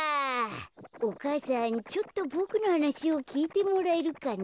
お母さんちょっとボクのはなしをきいてもらえるかな。